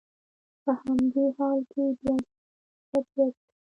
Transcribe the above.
په همدې حال کې بیا د باران شدت زیات شو.